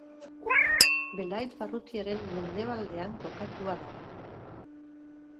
Belait barrutiaren mendebaldean kokatua dago.